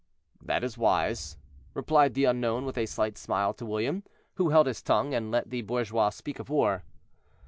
"That is wise," replied the unknown, with a slight smile to William, who held his tongue, and let the bourgeois speak of war.